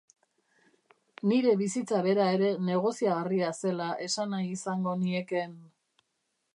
Nire bizitza bera ere negoziagarria zela esan nahi izango niekeen.